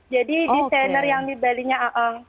jadi desainer yang di bali nya aang